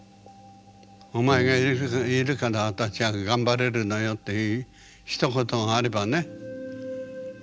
「お前がいるから私は頑張れるのよ」っていうひと言があればね別だったのね。